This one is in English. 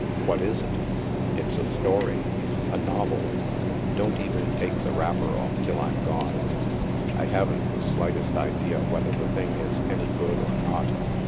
" What is it?" "It's a story. A novel. Don't even take the wrapper off till I'm gone. I haven't the slightest idea whether the thing is any good or not.